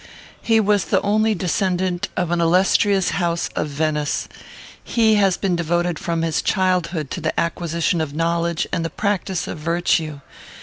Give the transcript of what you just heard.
He was the only descendant of an illustrious house of Venice. He has been devoted from his childhood to the acquisition of knowledge and the practice of virtue.